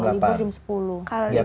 kalau di burim sepuluh